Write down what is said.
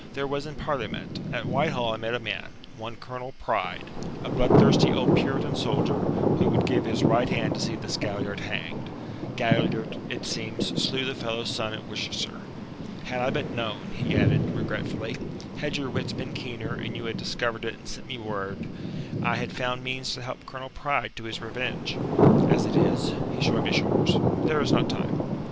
"There was in Parliament. At Whitehall I met a man one Colonel Pride a bloodthirsty old Puritan soldier, who would give his right hand to see this Galliard hanged. Galliard, it seems, slew the fellow's son at Worcester. Had I but known," he added regretfully "had your wits been keener, and you had discovered it and sent me word, I had found means to help Colonel Pride to his revenge. As it is" he shrugged his shoulders "there is not time."